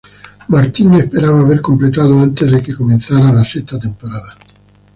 Martin esperaba haber completado antes de que comenzara la sexta temporada.